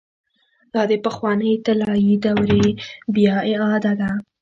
دا د پخوانۍ طلايي دورې بيا اعاده ده.